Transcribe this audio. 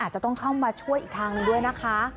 อาจจะต้องเข้ามาช่วยอีกทางด้วยนะคะ